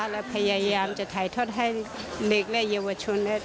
และพยายามจะถ่ายทอดให้เด็กและเยาวชน